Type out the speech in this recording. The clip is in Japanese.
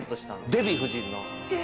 デヴィ夫人の。